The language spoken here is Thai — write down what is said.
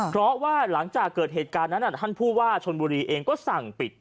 เพราะว่าหลังจากเกิดเหตุการณ์นั้นท่านผู้ว่าชนบุรีเองก็สั่งปิด